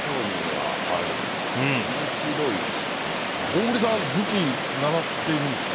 大栗さん武器習ってるんですか？